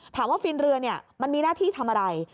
ฟินเรือมันมีหน้าที่ทำอะไร